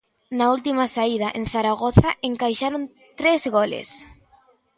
Na última saída, en Zaragoza, encaixaron tres goles.